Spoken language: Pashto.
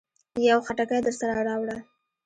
يو خټکی درسره راوړه.